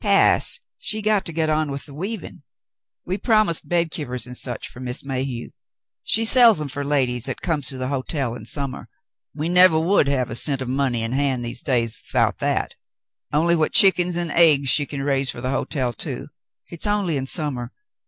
Cass, she got to get on with th' weavin'. We promised bed kivers an' such fer INIiss INIayhew. She sells 'em fer ladies 'at comes to the hotel in summah. We nevah would have a cent o' money in hand these days 'thout that, only what chick'ns 'nd aigs she can raise fer the hotel, too. Hit's only in summah.